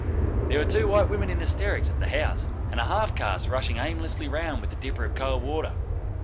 There were two white women in hysterics at the house, and a half caste rushing aimlessly round with a dipper of cold water.